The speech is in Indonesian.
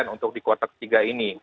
untuk di kuartal ketiga ini